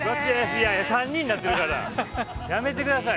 いやいや３人になってるから、やめてください。